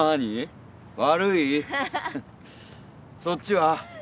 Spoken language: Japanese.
そっちは？